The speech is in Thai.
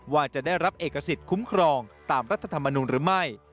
ว่าจะได้รับเอกสิทธิ์คุ้มครองตามรัฐธรรมนูลหรือไม่